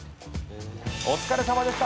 お疲れさまでした。